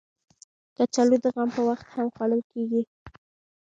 کچالو د غم په وخت هم خوړل کېږي